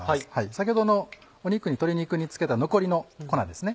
先ほどの鶏肉につけた残りの粉ですね